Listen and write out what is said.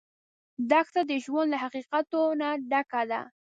دښته د ژوند له حقیقتونو ډکه ده.